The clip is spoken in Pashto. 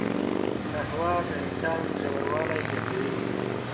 قهوه د احساس ژوروالی زیاتوي